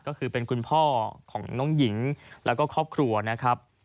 ก็คือเป็นคุณพ่อของน้องหญิงแล้วก็ครอบครัวนะครับ